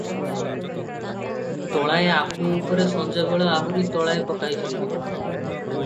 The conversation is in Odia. ତୋଳାଏ ଆପୁ ଉପରେ ସଞ୍ଜବେଳେ ଆହୁରି ତୋଳାଏ ପକାଇଛନ୍ତି ।